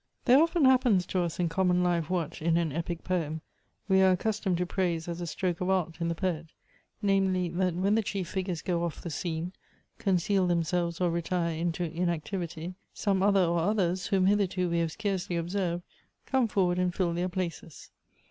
THERE often happens to us in common life ■what, in an epic poem, we are accustomed to praise as a stroke of art in the poet ; namely, that when the chief figures go off the scene, conceal themselves or retire into inactivity, some other or others, whom hitherto we have scarcely observed, come forward and fill their places.